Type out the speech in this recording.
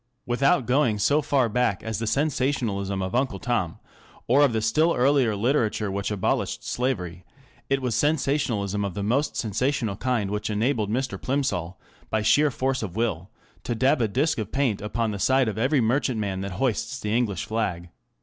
Without going so far back as the sensationalism of " Uncle Tom," or of the still earlier literature which abolished slavery, it was sensationalism of the most sensational kind which enabled Mr. Plimsoll, by sheer force of will, to dab a disk of paint upon the side of every merchantman that hoists the English flag.